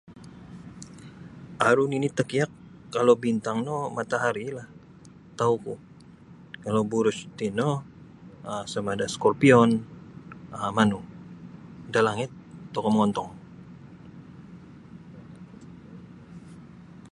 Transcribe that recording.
Aru nini takiak kalau bintang no matahari lah tau ku kalau buruj tino um samada scorpion um manu da langit tokou mongontong.